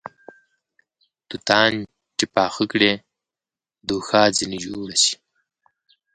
توتان چې پاخه کړې دوښا ځنې جوړه سې